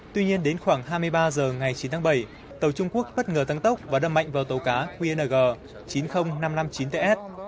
tuy nhiên đến khoảng hai mươi ba h ngày chín tháng bảy tàu trung quốc bất ngờ tăng tốc và đâm mạnh vào tàu cá qng chín mươi nghìn năm trăm năm mươi chín ts